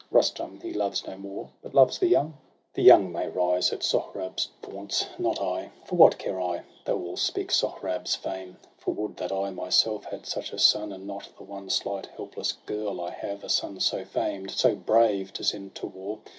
Rustum he loves no more, but loves the young — The young may rise at Sohrab's vaunts, not I. For what care I, though all speak Sohrab's fame ? For would that I myself had such a son. And not that one slight helpless girl I have — A son so famed, so brave, to send to war.